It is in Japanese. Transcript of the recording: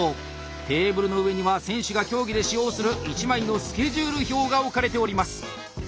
テーブルの上には選手が競技で使用する１枚のスケジュール表が置かれております。